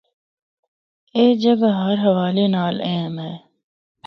اے جگہ ہر حوالے نال اہم ہے۔